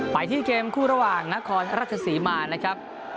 ไปที่เกมคู่ระหว่างนครราชศรีมานะครับ